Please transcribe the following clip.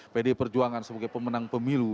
pdi perjuangan sebagai pemenang pemilu